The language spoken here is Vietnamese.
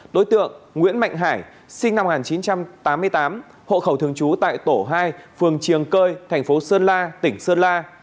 đối tượng nguyễn mạnh hải sinh năm một nghìn chín trăm tám mươi tám hộ khẩu thường trú tại tổ hai phường triềng cơi thành phố sơn la tỉnh sơn la